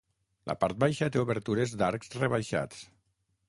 La part baixa té obertures d'arcs rebaixats.